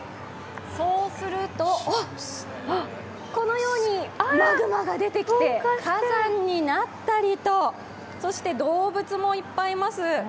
そうすると、このようにマグマが出てきて火山になったりとそして動物もいっぱいいます。